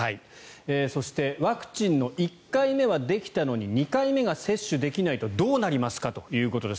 そしてワクチンの１回目はできたのに２回目が接種できないとどうなりますかということです。